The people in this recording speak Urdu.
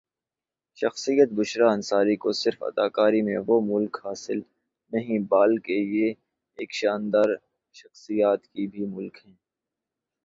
شخصیت بشریٰ انصاری کو سرف اداکاری میں وہ ملک حاصل نہیں بال کی یہ ایک شاندرشخصیات کی بھی ملک ہیں